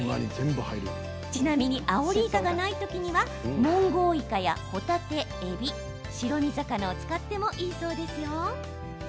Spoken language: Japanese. ちなみにアオリイカがないときにはモンゴウイカや、ほたて、えび白身魚を使ってもいいそうですよ。